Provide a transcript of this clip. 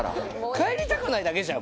帰りたくないだけじゃん。